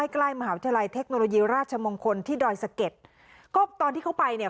ใกล้มหาวิทยาลัยเทคโนโลยีราชมงคลที่ดอยสะเก็ดก็ตอนที่เขาไปเนี่ย